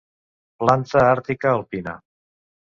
Planta àrtica alpina.